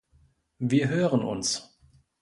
Wir hören uns.